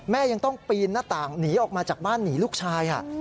ยังต้องปีนหน้าต่างหนีออกมาจากบ้านหนีลูกชาย